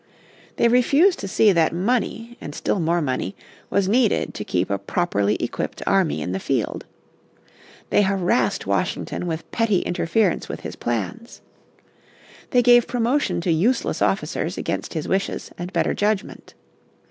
They refused to see that money, and still more money, was needed to keep a properly equipped army in the field. They harassed Washington with petty interference with his plans. They gave promotion to useless officers against his wishes and better judgment.